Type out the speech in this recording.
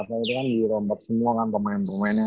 apalagi kan dirombak semua kan pemain pemainnya